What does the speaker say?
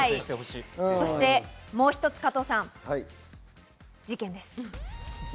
もう一つ加藤さん、事件です。